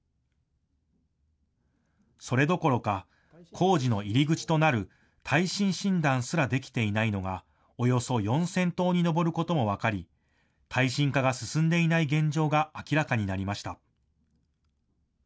それどころか工事の入り口となる耐震診断すらできていないのがおよそ４０００棟に上ることも分かり、耐震化が進んでいない現状が明らかになりました。